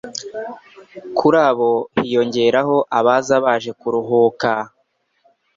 Kuri abo hiyongeraho abaza baje kuruhuka